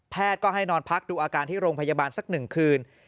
ก็ให้นอนพักดูอาการที่โรงพยาบาลสัก๑คืน